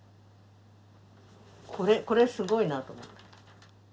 これすごいなと思って。